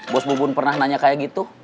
bosmu pun pernah nanya kayak gitu